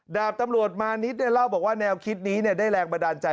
ดาบตำรวจมานิดเล่าบอกว่าแนวคิดนี้ได้แรงบันดาลใจ